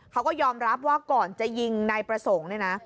เขาก็ยอมรับว่าก่อนจะยิงในประสงศ์